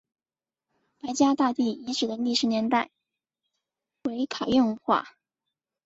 白家大地遗址的历史年代为卡约文化。